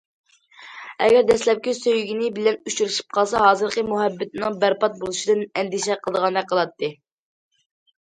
ئەگەر دەسلەپكى سۆيگىنى بىلەن ئۇچرىشىپ قالسا، ھازىرقى مۇھەببىتىنىڭ بەربات بولۇشىدىن ئەندىشە قىلىدىغاندەك قىلاتتى.